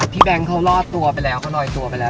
พี่แบงเค้าลอดตัวไปแล้วเค้าลอยตัวไปแล้ว